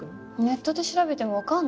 ネットで調べてもわかんないの。